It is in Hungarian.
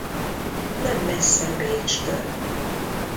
Nem messze Bécstől.